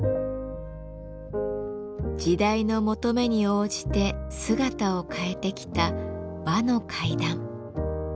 時代の求めに応じて姿を変えてきた和の階段。